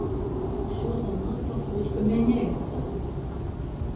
Усё занадта хутка мяняецца.